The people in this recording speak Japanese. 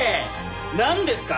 なんですか？